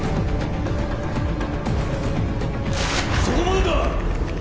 そこまでだ！